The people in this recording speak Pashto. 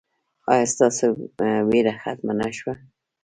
ایا ستاسو ویره ختمه نه شوه؟